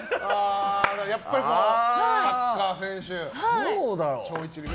やっぱりサッカー選手。